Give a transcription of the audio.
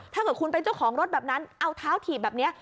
ถ้าเกิดคุณเป็นเจ้าของรถแบบนั้นเอาเท้าถีบแบบนี้